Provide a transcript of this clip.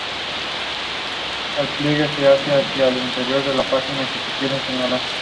En este momento se añade "Penicillium" al producto, para obtener las características vetas verdes.